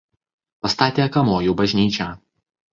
Pastatė Kamojų bažnyčią.